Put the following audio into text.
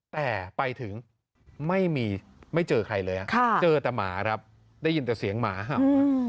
แต่ไปถึงไม่มีไม่เจอใครเลยเจอแต่หมาครับได้ยินแต่เสียงหมาเห่า